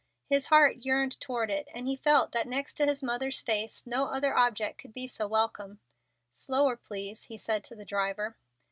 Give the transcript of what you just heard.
His heart yearned toward it, and he felt that next to his mother's face no other object could be so welcome. "Slower, please," he said to the driver.